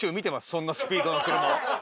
そんなスピードの車を。